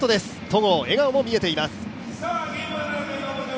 戸郷、笑顔も見えています。